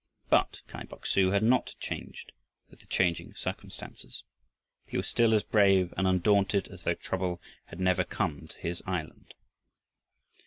But Kai Bok su had not changed with the changing circumstances. He was still as brave and undaunted as though trouble had never come to his island.